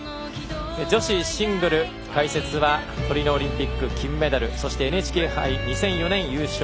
女子シングル解説はトリノオリンピック金メダルそしてＮＨＫ杯２００４年優勝